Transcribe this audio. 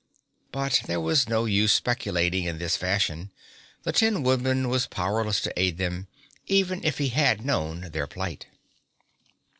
But there was no use speculating in this fashion. The Tin Woodman was powerless to aid them, even if he had known their plight.